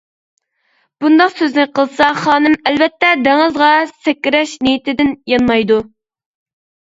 بۇنداق سۆزنى قىلسا خانىم ئەلۋەتتە دېڭىزغا سەكرەش نىيىتىدىن يانمايدۇ.